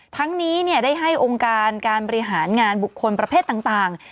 ทั้งนี้ได้ให้องค์การการบริหารงานบุคคลประเภทต่าง